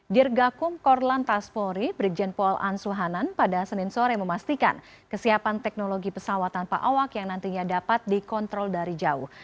dirgakum korlantas polri brigjen pol ansuhanan pada senin sore memastikan kesiapan teknologi pesawat tanpa awak yang nantinya dapat dikontrol dari jauh